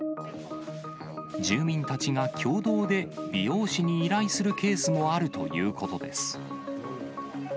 住民たちが共同で美容師に依頼するケースもあるということです。